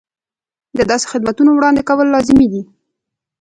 د داسې خدمتونو وړاندې کول لازمي دي.